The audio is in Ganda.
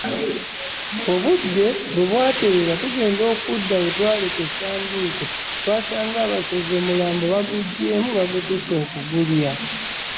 Obudde bwe bwatereera tugenda okudda we twaleka essanduuke twasanga abasezi omulambo baguggyeemu bagututte okugulya.